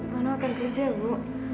mano akan kerja bu